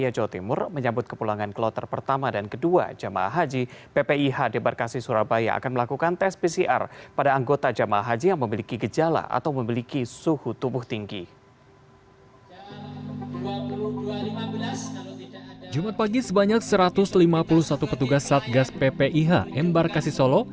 jumat pagi sebanyak satu ratus lima puluh satu petugas satgas ppih m barkasi solo